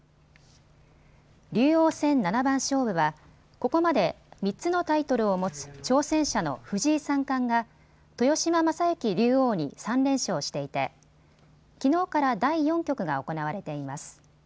竜王戦七番勝負はここまで、３つのタイトルを持つ挑戦者の藤井三冠が豊島将之竜王に３連勝していてきのうから第４局が行われています。